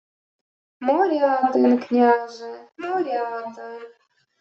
— Морятин, княже, Морята.